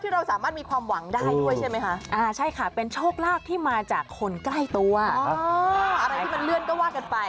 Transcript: อุ๊ยโดนที่กั้นอีกแล้ว